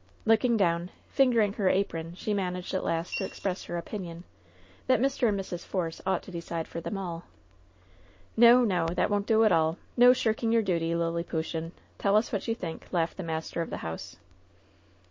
Looking down, fingering her apron, she managed at last to express her opinion that Mr. and Mrs. Force ought to decide for them all. "No, no 1 That won't do at all ! No shirking your duty, Liliputian 1 Tell us what you think," laughed the master of the house.